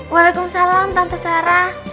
waalaikumsalam tante sarah